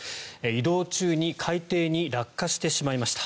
移動中に海底に落下してしまいました。